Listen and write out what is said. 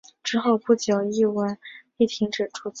之后不久一文亦停止铸造。